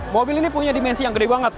mobil ini punya dimensi yang gede banget